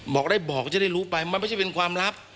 บอกได้บอกจะได้รู้ไปมันไม่ใช่เป็นความลับ